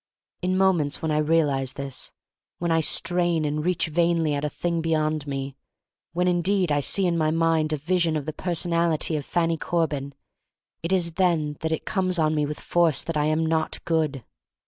In moments when I realize this, when I strain and reach vainly at a thing beyond me, when indeed I see in my mind a vision of the personality of Fannie Corbin, it is then that it comes on me with force that I am not good.